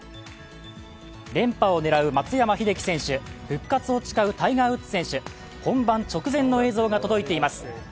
連覇を狙う松山英樹選手、復活を誓うタイガー・ウッズ選手、本番直前の映像が届いています。